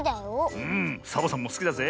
サボさんもすきだぜ。